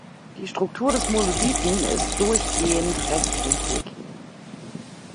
Die Struktur des Monolithen ist durchgehend rechtwinklig.